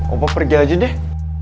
opa pergi aja deh